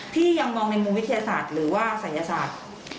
พี่ยังมองในมุมวิทยาศาสตร์หรือว่าศัยศาสตร์